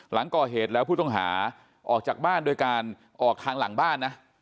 หลังก่อเหตุแล้วผู้ต้องหาออกจากบ้านโดยการออกทางหลังบ้านนะ